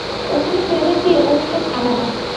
অন্যান্য ছেলেদের চেয়ে ওর প্রেম আলাদা!